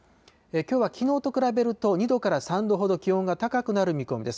きょうはきのうと比べると、２度から３度ほど気温が高くなる見込みです。